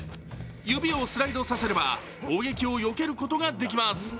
指をスライドさせれば攻撃をよけることができます。